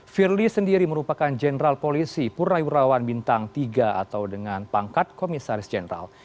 firly sendiri merupakan jenderal polisi pura iuran bintang tiga atau dengan pangkat komisaris jenderal